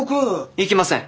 行きません。